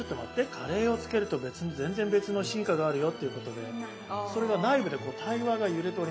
カレーをつけると全然別の進化があるよ」っていうことでそれが内部でこう対話が揺れております。